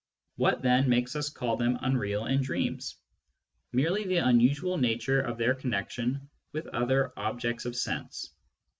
What, then, makes us call them unreal in dreams ? Merely the unusual nature of their connection with other objects of sense.